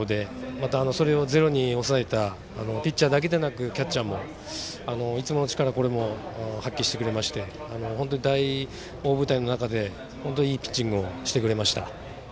また、それをゼロに抑えたピッチャーだけでなくキャッチャーもいつもの力を発揮してくれまして大舞台の中でいいピッチングをしてくれました。